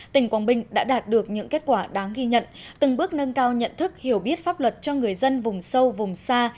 tỉnh quảng bình đã đạt được những kết quả đáng ghi nhận từng bước nâng cao nhận thức hiểu biết pháp luật cho người dân vùng sâu vùng xa